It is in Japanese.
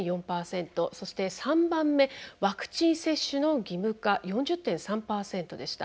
そして３番目「ワクチン接種の義務化」４０．３％でした。